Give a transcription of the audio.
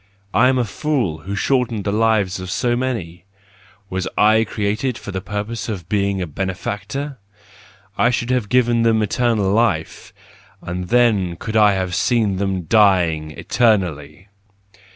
I am a fool, who shortened the lives of so many! Was / created for the purpose of being a benefactor ? I should have given them eternal life : and then I could have seen them dying eternally.